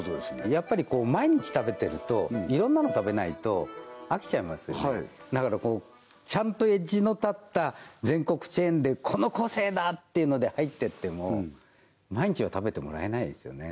やっぱり毎日食べてるといろんなの食べないと飽きちゃいますよねだからちゃんとエッジの立った全国チェーンでこの個性だ！っていうので入ってっても毎日は食べてもらえないですよね